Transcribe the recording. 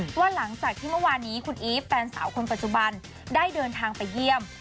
เพราะว่าหลังจากที่เมื่อวานนี้คุณอีฟแฟนสาวคนปัจจุบันได้เดินทางไปเยี่ยม